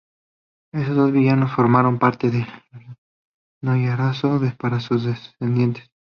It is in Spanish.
Estas dos villas formaron parte del mayorazgo para sus descendientes.